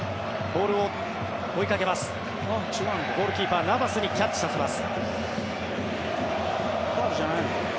ゴールキーパー、ナバスにキャッチさせます。